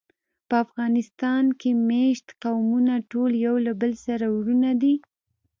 په افغانستان کې مېشت قومونه ټول یو له بله سره وروڼه دي.